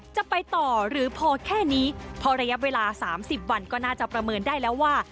จะไปต่อหรือพอแค่นี้พอระยะเวลา๓๐วันก็น่าจะประเมินได้แล้วว่า